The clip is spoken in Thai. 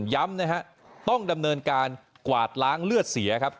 ย้ำนะฮะต้องดำเนินการกวาดล้างเลือดเสียครับ